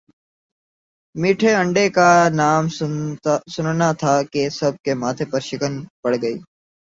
میٹھے انڈے کا نام سننا تھا کہ سب کے ماتھے پر شکنیں پڑ گئی